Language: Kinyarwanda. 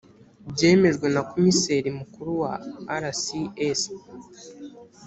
byemejwe na komiseri mukuru wa rcs